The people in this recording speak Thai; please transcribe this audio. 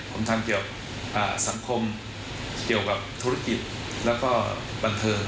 ผมทำเกี่ยวสังคมเกี่ยวกับธุรกิจแล้วก็บันเทิง